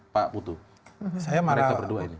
pak putu saya mereka berdua ini